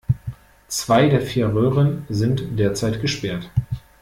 Zwei der vier Röhren sind derzeit gesperrt.